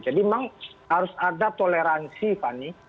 jadi memang harus ada toleransi fani